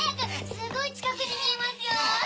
すごい近くに見えますよ！